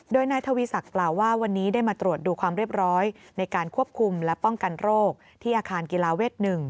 โดยนายทวีศักดิ์กล่าวว่าวันนี้ได้มาตรวจดูความเรียบร้อยในการควบคุมและป้องกันโรคที่อาคารกีฬาเวท๑